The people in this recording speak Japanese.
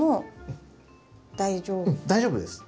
うん大丈夫です。